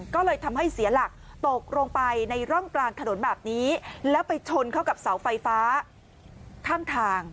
ก็เลยทำให้เสียหลักตกลงไปในร่องกลางถนนแบบนี้แล้วไปชนเข้ากับเสาไฟฟ้าข้างทาง